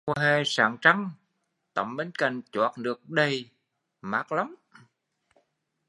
Mùa hè sáng trăng tắm bên cạnh choác nước đầy, mát lắm